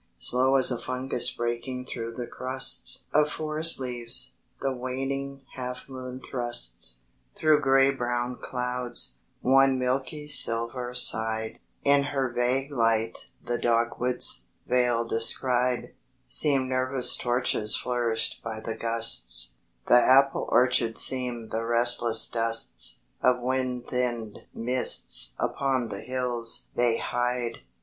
Slow as a fungus breaking through the crusts Of forest leaves, the waning half moon thrusts, Through gray brown clouds, one milky silver side; In her vague light the dogwoods, vale descried, Seem nervous torches flourished by the gusts; The apple orchards seem the restless dusts Of wind thinned mists upon the hills they hide.